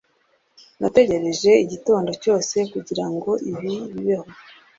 nategereje igitondo cyose kugirango ibi bibeho